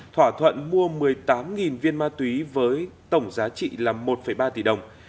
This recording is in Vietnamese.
thỏa thuận mua một mươi tám viên ma túy với tổng giá trị là một ba tỷ đồng